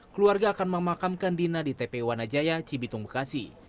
keluarga akan memakamkan dina di tpu wana jaya cibitung bekasi